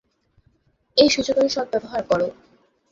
এ সুযোগের সদ্ব্যবহার কর।